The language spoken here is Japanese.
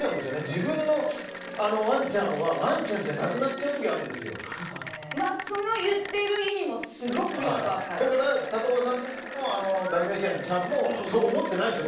自分のワンちゃんはワンちゃんじゃなくなっちゃうまあ、その言っている意味もだから高岡さんのダルメシアンちゃんもそう思ってないです。